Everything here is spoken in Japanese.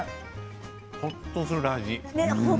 ほっとする味。